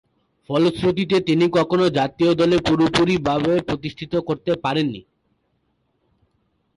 ফলশ্রুতিতে, তিনি কখনো জাতীয় দলে পুরোপুরিভাবে প্রতিষ্ঠিত করতে পারেননি।